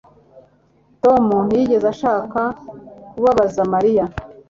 Tom ntiyigeze ashaka kubabaza Mariya